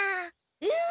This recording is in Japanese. うん！